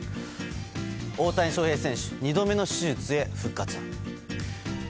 大谷翔平選手２度目の手術へ復活は？